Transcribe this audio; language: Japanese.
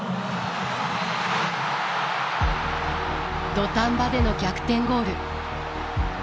土壇場での逆転ゴール。